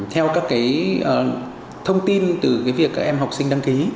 theo các thông tin từ việc các em học sinh đăng ký